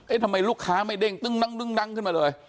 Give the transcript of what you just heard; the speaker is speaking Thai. เอ้ยทำไมลูกค้าไม่เด้งตึ้งตึ้งตึ้งตึ้งขึ้นมาเลย